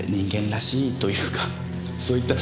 そういった。